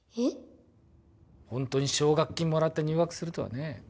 本当に奨学金もらって入学するとはね。